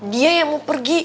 dia yang mau pergi